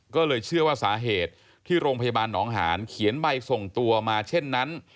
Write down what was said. ก็เลยเชื่อว่าสาเหตุที่โรงพยาบาลหนองหานเขียนใบส่งตัวมาเช่นนั้น